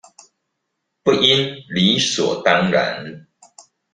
不應理所當然